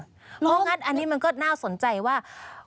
เพราะงั้นอันนี้มันก็น่าสนใจว่า